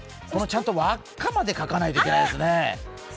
ちゃんと輪っかまで描かないといけないですね。